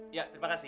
iya terima kasih